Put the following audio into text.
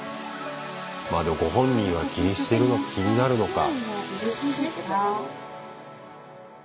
まあでもご本人は気にして気になるのか。